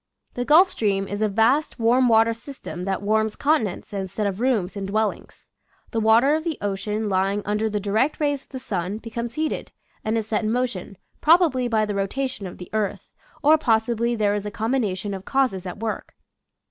The Gulf Stream is a vast warm water system that warms continents instead of rooms in dwel lings The water of the ocean lying under the direct rays of the sun becomes heated and is set in motion, probably by the rotation of the earth, or possibly there is a combination of causes at work.